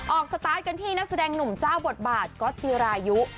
สตาร์ทกันที่นักแสดงหนุ่มเจ้าบทบาทก๊อตจิรายุ